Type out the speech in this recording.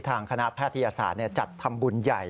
ทางคณะแพทยศาสตร์จัดทำบุญใหญ่